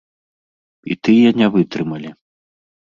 І тыя не вытрымалі.